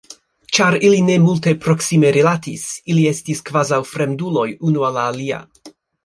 Ĉar ili ne multe proksime rilatis, ili estis kvazaŭ fremduloj unu al la alia.